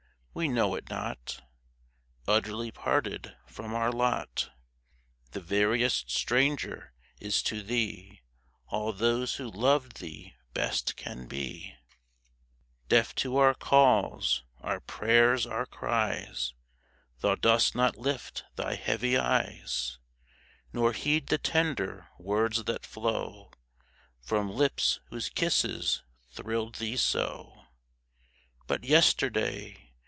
We know it not ; Utterly parted from our lot, The veriest stranger is to thee All those who loved thee best can be. 40 YESTERDAY AND TO DAY Deaf to our calls, our prayers, our cries, Thou dost not lift thy heavy eyes ; Nor heed the tender words that flow From lips whose kisses thrilled thee so But yesterday